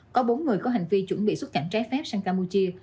có bốn người có hành vi chuẩn bị xuất cảnh trái phép sang campuchia